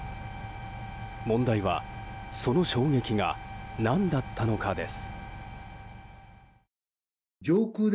問題はその衝撃が何だったのかです。